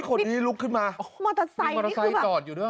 อันนี้คือกล้องหลังหรือ